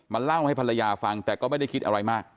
เล่าให้ภรรยาฟังแต่ก็ไม่ได้คิดอะไรมาก